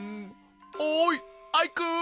おいアイくん！